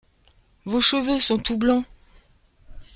vos cheveux sont tout blancs !